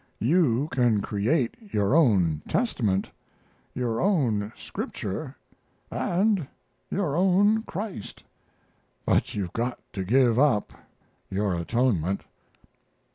You can create your own Testament, your own Scripture, and your own Christ, but you've got to give up your atonement."